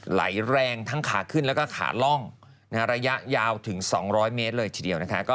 ไหลแรงทั้งขาขึ้นแล้วก็ขาล่องระยะยาวถึง๒๐๐เมตรเลยทีเดียวนะคะ